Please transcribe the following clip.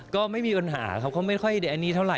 ก็ไม่มีปัญหาครับเขาไม่ค่อยอันนี้เท่าไ